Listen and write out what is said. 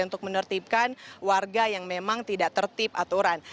untuk menertibkan warga yang memang tidak tertip aturan